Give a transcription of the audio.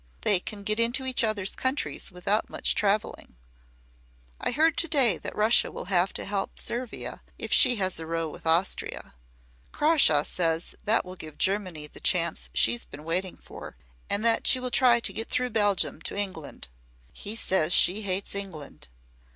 They can get into each other's countries without much travelling. I heard to day that Russia will have to help Servia if she has a row with Austria. Crawshaw says that will give Germany the chance she's been waiting for and that she will try to get through Belgium to England. He says she hates England.